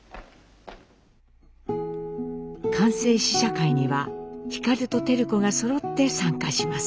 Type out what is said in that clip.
完成試写会には皓と照子がそろって参加します。